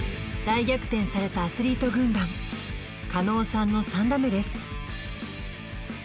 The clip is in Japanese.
大逆転されたアスリート軍団狩野さんの３打目です